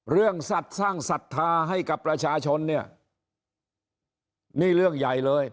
เรื่องสัตว์สร้างศรัทธาให้กับประชาชนเนี่ยนี่เรื่องใหญ่เลย